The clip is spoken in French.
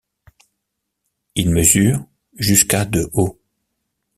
Il mesure jusqu'à de haut.